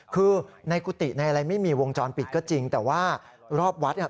คือในกุฏิในอะไรไม่มีวงจรปิดก็จริงแต่ว่ารอบวัดเนี่ย